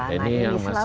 ini yang masih